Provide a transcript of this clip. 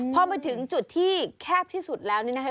พอมาถึงจุดที่แคบที่สุดแล้วนี่นะคะ